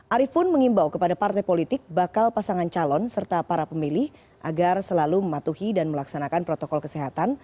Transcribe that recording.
arief pun mengimbau kepada partai politik bakal pasangan calon serta para pemilih agar selalu mematuhi dan melaksanakan protokol kesehatan